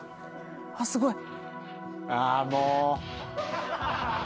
あっすごい。